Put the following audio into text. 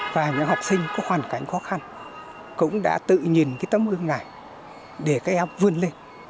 và những học sinh có hoàn cảnh khó khăn cũng đã tự nhìn cái tấm gương này để các em vươn lên